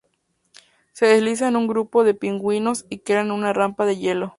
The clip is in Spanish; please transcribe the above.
Se deslizan en un grupo de Pingüinos y caen en una rampa de hielo.